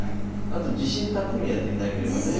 あと自信たっぷりやっていただければね。